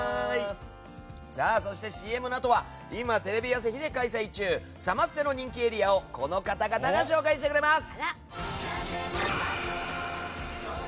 そして、ＣＭのあとは今、テレビ朝日で開催中サマステの人気エリアをこの方々が紹介してくれます。